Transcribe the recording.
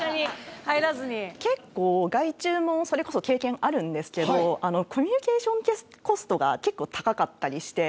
結構外注もそれこそ経験あるんですけどコミュニケーションコストが結構高かったりして。